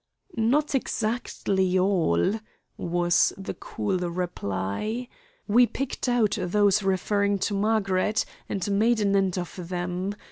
"Not exactly all," was the cool reply. "We picked out those referring to Margaret, and made an end of them.